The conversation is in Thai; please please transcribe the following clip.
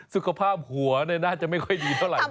สุขภาพหัวน่าจะไม่ค่อยดีเท่าไหร่